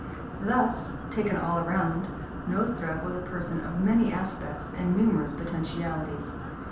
Thus, taken all round, Nozdrev was a person of many aspects and numerous potentialities.